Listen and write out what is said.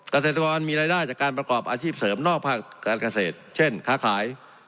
เกษตรกรมีรายได้จากการประกอบอาชีพเสริมนอกภาคการเกษตรเช่นค้าขาย